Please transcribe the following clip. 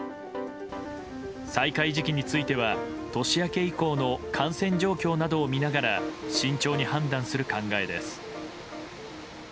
再開時期については年明け以降の感染状況などを見ながら慎重に判断する考えです。